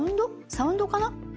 サウンドかな。